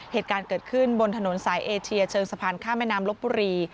เหตุการณ์เกิดขึ้นบนถนนสายเอเชียเชิงสะพานข้ามแม่น้ำลบบุรี